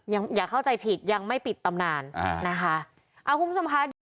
อย่าเข้าใจผิดยังไม่ปิดตำนานนะคะ